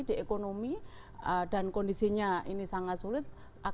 di ekonomi dan kondisinya ini sangat sulit